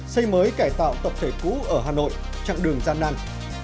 xây mới cải tạo tập thể cũ ở hà nội chặng đường gian nan